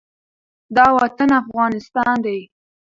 دا وطن افغانستان دی،